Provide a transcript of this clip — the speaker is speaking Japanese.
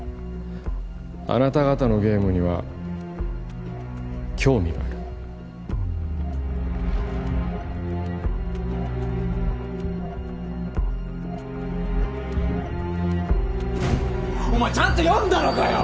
あなた方のゲームには興味があるお前ちゃんと読んだのかよ！